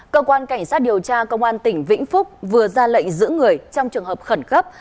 cơ quan cảnh sát điều tra công an tỉnh vĩnh phúc vừa ra lệnh giữ người trong trường hợp khẩn cấp